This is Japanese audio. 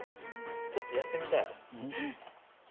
ちょっとやってみたい。